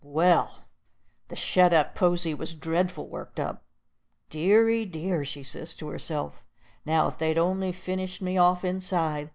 Well, the shet up posy was dreadful worked up. "Deary dear!" she says to herself, "now if they'd on'y finished me off inside!